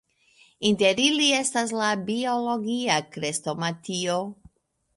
Inter ili estas la Biologia Krestomatio.